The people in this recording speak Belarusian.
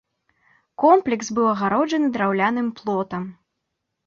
Комплекс быў агароджаны драўляным плотам.